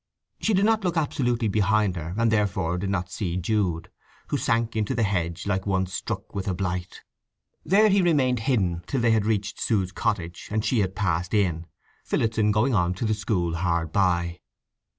She did not look absolutely behind her, and therefore did not see Jude, who sank into the hedge like one struck with a blight. There he remained hidden till they had reached Sue's cottage and she had passed in, Phillotson going on to the school hard by.